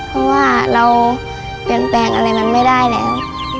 เพราะว่าเราเปลี่ยนแปลงอะไรมันไม่ได้แล้ว